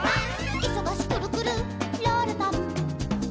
「いそがしくるくるロールパン」「」